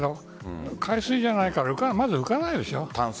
海水じゃないからまず浮かないでしょう。